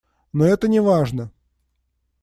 Но это не важно.